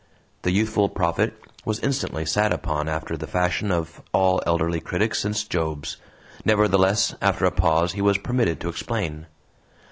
The youthful prophet was instantly sat upon after the fashion of all elderly critics since Job's. Nevertheless, after a pause he was permitted to explain.